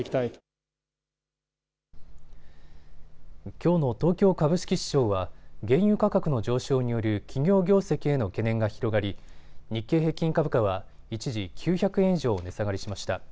きょうの東京株式市場は原油価格の上昇による企業業績への懸念が広がり日経平均株価は一時９００円以上値下がりしました。